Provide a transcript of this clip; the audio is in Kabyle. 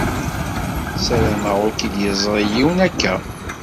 Sarameɣ ur k-id-yeẓṛi yiwen akka.